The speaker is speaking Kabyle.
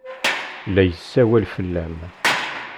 La yessawal fell-am.